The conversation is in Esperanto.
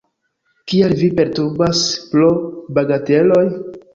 Kial vi perturbas pro bagateloj?